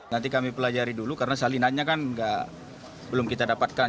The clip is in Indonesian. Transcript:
nanti kami pelajari dulu karena salinannya kan belum kita dapatkan